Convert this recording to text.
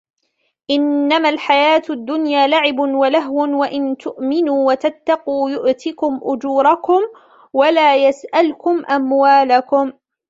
إِنَّمَا الْحَيَاةُ الدُّنْيَا لَعِبٌ وَلَهْوٌ وَإِنْ تُؤْمِنُوا وَتَتَّقُوا يُؤْتِكُمْ أُجُورَكُمْ وَلَا يَسْأَلْكُمْ أَمْوَالَكُمْ